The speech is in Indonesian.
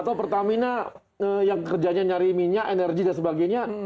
atau pertamina yang kerjanya nyari minyak energi dan sebagainya